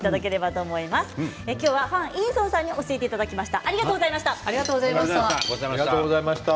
どんどんうまくなる今日はファン・インソンさんに教えていただきました。